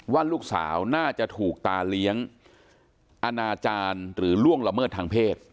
ว่าลูกสาวน่าจะถูกตาเลี้ยงอนาจารย์หรือล่วงละเมิดทางเพศ